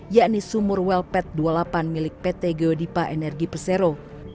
yakni sumur welpet dua puluh delapan milik pt geodipa energi persero